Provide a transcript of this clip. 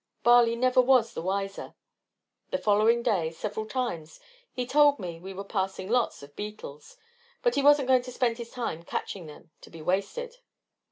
Barley never was the wiser. The following day, several times, he told me we were passing lots of beetles, but he wasn't going to spend his time catching them to be wasted.